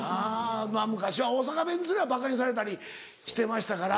まぁ昔は大阪弁ですらばかにされたりしてましたから。